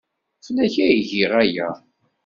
Fell-ak ay giɣ aya.